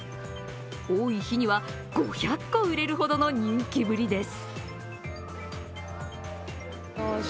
多い日には５００個売れるほどの人気ぶりです。